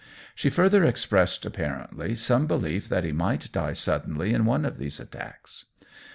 She further expressed apparently some belief that he might die suddenly in one of these attacks.